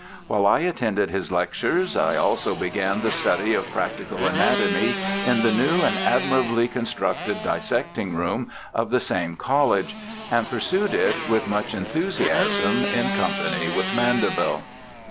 While I attended his lectures I also began the study of practical anatomy in the new and admirably constructed dissecting room of the same col lege, and pursued it with much enthusiasm in company with Mandeville.'